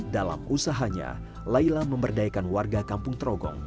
dalam usahanya laila memberdayakan warga kampung trogong